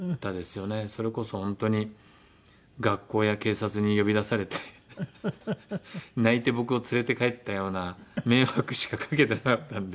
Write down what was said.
それこそ本当に学校や警察に呼び出されて泣いて僕を連れて帰ったような迷惑しかかけてなかったんで。